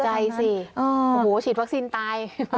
ใจสิโอ้โหฉีดวัคซีนตาย